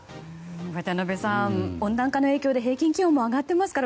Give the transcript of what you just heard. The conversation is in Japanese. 渡辺さん、温暖化の影響で平均気温も上がっていますから。